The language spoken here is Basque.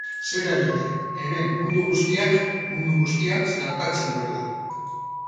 Zera diote, hemen mundu guztiak mundu guztia zelatatzen duela.